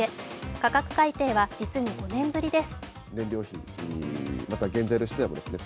価格改定は実に５年ぶりです。